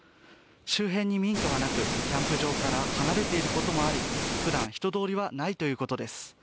周辺に民家はなくキャンプ場から離れていることもあり、ふだん人通りはないということです。